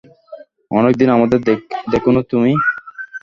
অনেকদিন আমাদের দেখোনি তুমি।